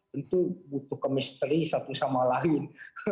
tentu butuh kemisteri satu sama lain